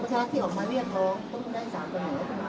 มีการรับประกอบอุตสาห์อะไรไหมครับ